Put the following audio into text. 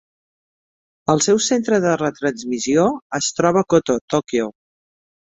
El seu centre de retransmissió es troba a Koto, Tòquio.